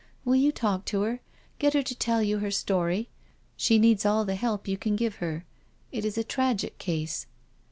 " Will you talk to her— get her to tell you her story? She needs all the help you can give her. It is a tragic case.'